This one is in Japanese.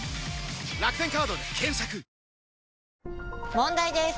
問題です！